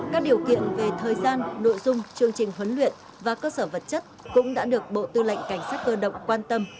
các điều kiện về thời gian nội dung chương trình huấn luyện và cơ sở vật chất cũng đã được bộ tư lệnh cảnh sát cơ động quan tâm